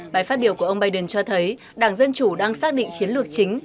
bài phát biểu của ông biden cho thấy đảng dân chủ đang xác định chiến lược chính